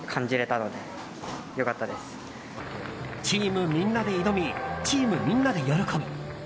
チームみんなで挑みチームみんなで喜ぶ。